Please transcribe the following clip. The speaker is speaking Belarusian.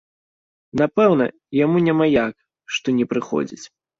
Напэўна, яму няма як, што не прыходзіць.